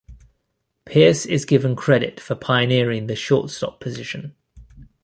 Pearce is given credit for pioneering the shortstop position.